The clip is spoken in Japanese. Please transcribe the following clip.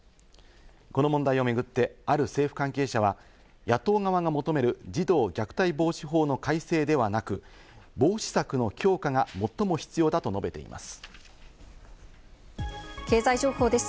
この問題を巡って、ある政府関係者は、野党側が求める児童虐待防止法の改正ではなく、防止策の強化が最も必要だと述べています。